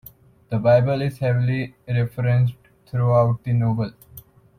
The Bible is heavily referenced throughout the novel.